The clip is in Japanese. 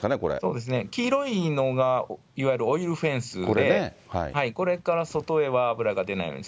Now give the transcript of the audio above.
そうですね、黄色いのがいわゆるオイルフェンスで、これから外へは油が出ないように。